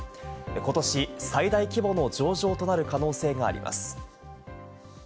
ことし最大規模の上場となる可能性があります。